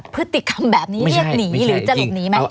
พฤติกรรมแบบนี้เรียกหนีหรือจะหลบหนีไหม